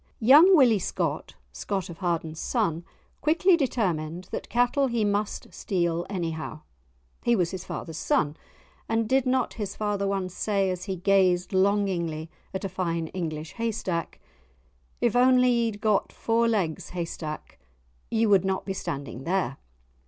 Young Willie Scott, Scott of Harden's son, quickly determined that cattle he must steal anyhow; he was his father's son, and did not his father once say, as he gazed longingly at a fine English haystack, "if only ye'd got four legs, haystack, ye would not be standing there!"